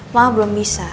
mama belum bisa